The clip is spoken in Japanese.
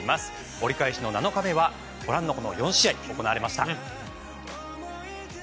折り返しの７日目はご覧の４試合が行われました。